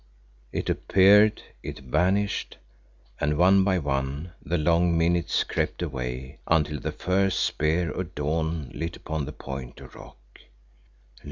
It appeared, it vanished, and one by one the long minutes crept away until the first spear of dawn lit upon the point of rock.